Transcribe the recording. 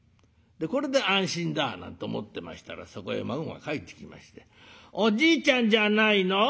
これで安心だなんて思ってましたらそこへ孫が帰ってきまして「おじいちゃんじゃないの？